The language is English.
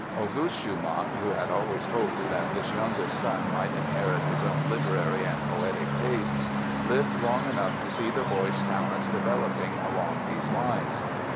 August Schumann, who had always hoped that this youngest son might inherit his own literary and poetic tastes, lived long enough to see the boy's talents developing along these lines.